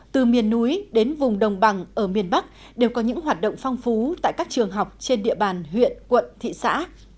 từ miền núi đến vùng đồng bằng ở miền bắc đều có những hoạt động phong phú tại các trường học trên địa bàn huyện quận thị xã